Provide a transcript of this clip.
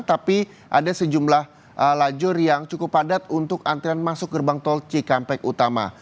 tapi ada sejumlah lajur yang cukup padat untuk antrian masuk gerbang tol cikampek utama